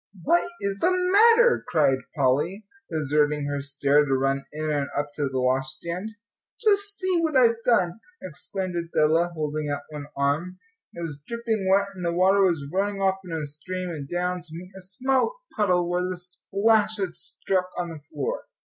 "What is the matter?" cried Polly, deserting her stair, to run in and up to the washstand. "Just see what I've done," exclaimed Adela, holding out one arm. It was dripping wet, and the water was running off in a stream and down to meet a small puddle where the splash had struck on the floor.